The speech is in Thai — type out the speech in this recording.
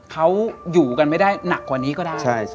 เขาอยู่กันไม่ได้หนักกว่านี้ก็ได้